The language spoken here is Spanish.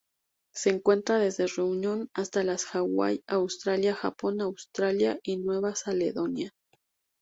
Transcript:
Se encuentra desde Reunión hasta las Hawaii Australia, Japón, Australia y Nueva Caledonia.